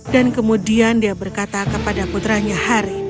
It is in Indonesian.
dan kemudian dia berkata kepada putranya hari